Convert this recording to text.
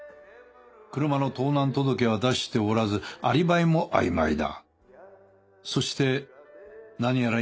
車の盗難届は出しておらずアリバイもあいまいだ。